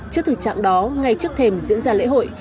trước thực trạng đó ngay trước thềm diễn ra lễ hội